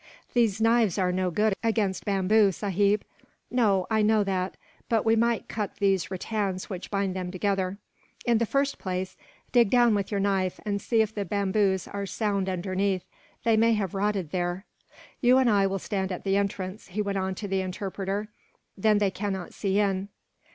"These knives are no good against bamboo, sahib." "No, I know that; but we might cut these rattans which bind them together. In the first place, dig down with your knife, and see if the bamboos are sound underneath. They may have rotted there. "You and I will stand at the entrance," he went on to the interpreter, "then they cannot see in."